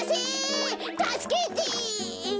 たすけてえ？